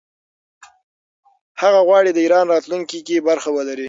هغه غواړي د ایران راتلونکې کې برخه ولري.